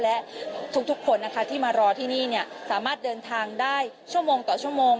และทุกคนนะคะที่มารอที่นี่สามารถเดินทางได้ชั่วโมงต่อชั่วโมง